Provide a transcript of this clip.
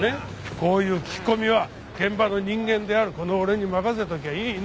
こういう聞き込みは現場の人間であるこの俺に任せときゃいいの。